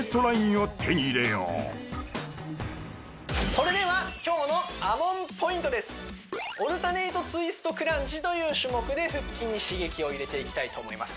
それではオルタネイトツイストクランチという種目で腹筋に刺激を入れていきたいと思います